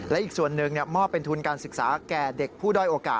และอีกส่วนหนึ่งมอบเป็นทุนการศึกษาแก่เด็กผู้ด้อยโอกาส